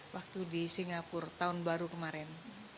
waktu di singapura tahun baru kemarin